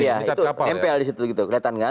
iya itu tempel di situ gitu kelihatan kan